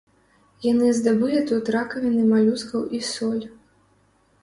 Яны здабывалі тут ракавіны малюскаў і соль.